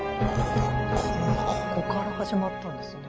ここから始まったんですね。